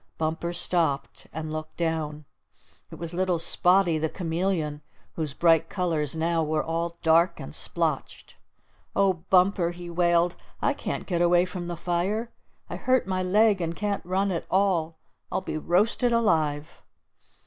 Bumper stopped, and looked down. It was little Spotty the Chameleon, whose bright colors now were all dark and splotched. "O Bumper," he wailed, "I can't get away from the fire. I hurt my leg, and can't run at all. I'll be roasted alive."